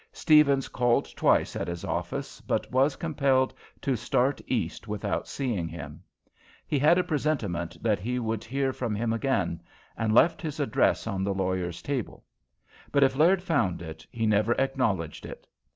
Steavens called twice at his office, but was compelled to start East without seeing him. He had a presentiment that he would hear from him again, and left his address on the lawyer's table; but if Laird found it, he never acknowledged it.